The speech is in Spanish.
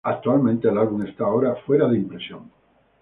Actualmente, el álbum esta ahora fuera de impresión.